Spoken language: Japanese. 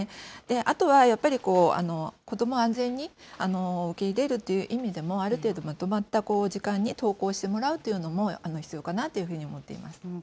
あとはやっぱり子どもを安全に受け入れるという意味でも、ある程度まとまった時間に登校してもらうというのも必要かなというふうに思っています。